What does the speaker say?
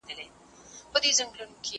د کفن له غله بېغمه هدیره وه